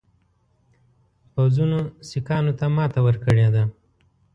پوځونو سیکهانو ته ماته ورکړې ده.